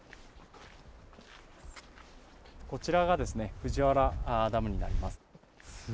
こちらが藤原ダムになります。